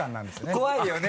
怖いよね